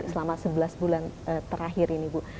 selama sebelas bulan terakhir ini bu